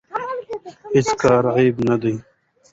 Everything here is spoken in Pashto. هیڅ کار عیب نه دی.